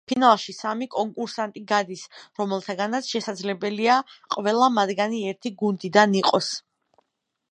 ფინალში სამი კონკურსანტი გადის, რომელთაგანაც შესაძლებელია ყველა მათგანი ერთი გუნდიდან იყოს.